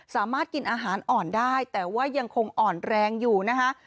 สามารถกินอาหารอ่อนได้แต่ว่ายังคงอ่อนแรงอยู่นะคะ